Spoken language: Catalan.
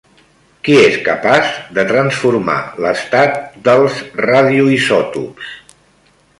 Qui és capaç de transformar l'estat dels radioisòtops?